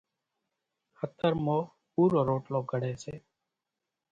ۿترمون پُورو روٽلو گھڙي سي